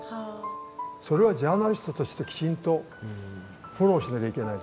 それはジャーナリストとしてきちんとフォローしなきゃいけない。